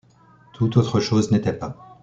Toute autre chose n’était pas.